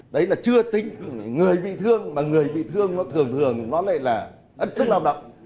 đấy là chưa tính người bị thương mà người bị thương nó thường thường nó lại là ẩn sức lao động